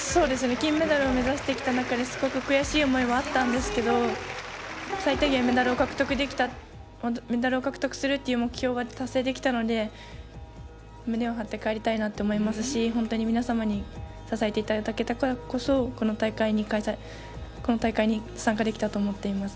金メダルを目指してきた中ですごく悔しい思いはあったんですけど最低限メダルを獲得するという目標が達成できたので胸を張って帰りたいと思いますし本当に皆様に支えていただけたからこそ今大会に参加できたと思ってます。